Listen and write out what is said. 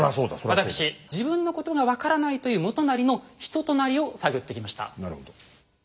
私自分のことが分からないという元就の人となりを探ってきました。